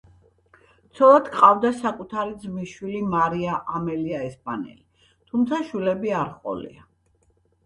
ცოლად ჰყავდა საკუთარი ძმის შვილი მარია ამალია ესპანელი, თუმცა შვილები არ ჰყოლია.